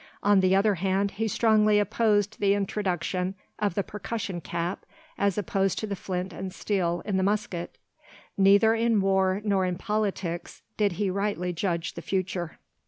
On the other hand, he strongly opposed the introduction of the percussion cap as opposed to the flint and steel in the musket. Neither in war nor in politics did he rightly judge the future.